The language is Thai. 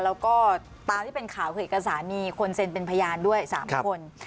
แล้วก็ตามที่เป็นข่าวคือเอกสารมีคนเซ็นเป็นพยานด้วย๓คน